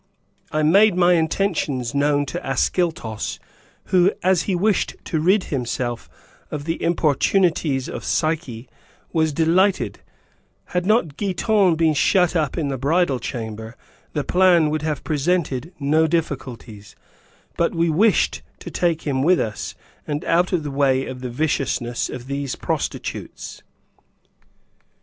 I made my intentions known to Ascyltos, who, as he wished to rid himself of the importunities of Psyche, was delighted; had not Giton been shut up in the bridal chamber, the plan would have presented no difficulties, but we wished to take him with us, and out of the way of the viciousness of these prostitutes.